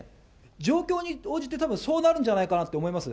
状況に応じて、たぶんそうなるんじゃないかなと思います。